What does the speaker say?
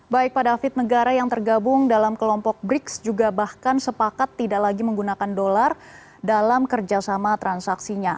baik pak david negara yang tergabung dalam kelompok briks juga bahkan sepakat tidak lagi menggunakan dolar dalam kerjasama transaksinya